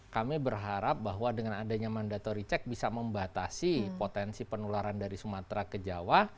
kami berharap bahwa dengan adanya mandatory check bisa membatasi potensi penularan dari sumatera ke jawa